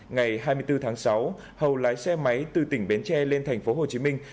ngày hai mươi bốn tháng sáu hầu lái xe máy từ tỉnh bến tre lên thành phố hồ chí minh